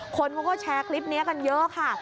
คนเขาก็แชร์คลิปนี้กันเยอะค่ะ